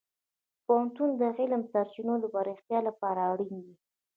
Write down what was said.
پوهنتون د علمي سرچینو د پراختیا لپاره اړین دی.